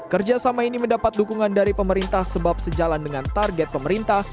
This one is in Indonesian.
kerjasama ini mendapat dukungan dari pemerintah sebab sejalan dengan target pemerintah